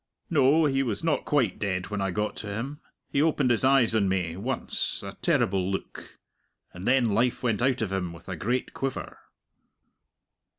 No; he was not quite dead when I got to him. He opened his eyes on me, once a terrible look and then life went out of him with a great quiver."